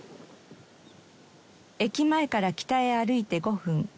駅前から北へ歩いて５分